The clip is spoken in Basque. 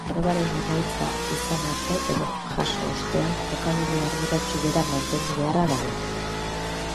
Probaren emaitza izan arte edo jaso ostean jokabide arduratsu bera mantendu beharra dago.